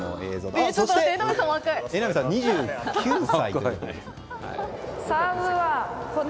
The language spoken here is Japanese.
そして榎並さん、２９歳。